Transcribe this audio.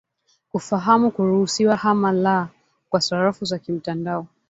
kufahamu kuruhusiwa ama la kwa sarafu za kimtandao